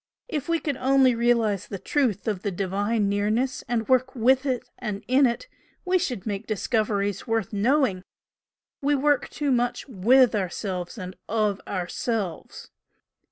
If we could only realise the truth of the Divine Nearness, and work WITH it and IN it, we should make discoveries worth knowing! We work too much WITH ourselves and OF ourselves."